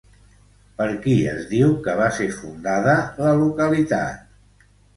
Per qui es diu que va ser fundada la localitat?